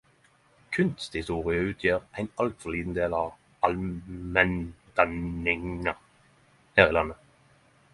Kunsthistorie utgjer ein altfor liten del av allmenndanninga her i landet...